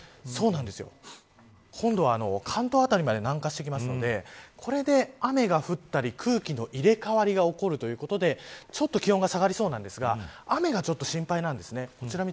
今度は関東辺りまで南下してくるのでこれで雨が降ったり空気の入れ替わりが起こるということでちょっと気温が下がりそうなんですが雨がちょっと心配です。